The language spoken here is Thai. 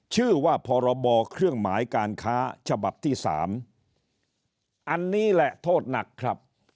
ชื่อว่าพรบเครื่องหมายการค้าฉบับที่สามอันนี้แหละโทษหนักครับ